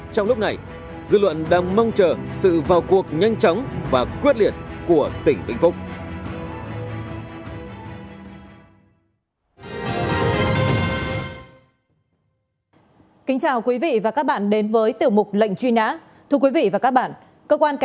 trong lúc này dư luận đang mong chờ sự vào cuộc nhanh chóng và quyết liệt của tỉnh vĩnh phúc